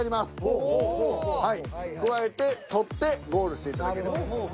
くわえて取ってゴールしていただければ。